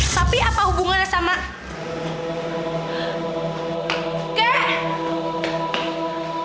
tapi apa hubungannya sama